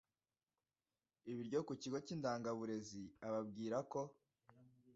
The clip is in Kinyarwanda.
ibiryo ku kigo cy Indangaburezi ababwira ko